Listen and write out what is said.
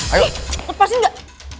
eh lepasin gak